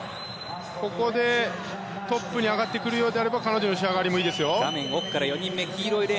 ここでトップに上がってくるようであれば彼女の仕上がりもいいですね。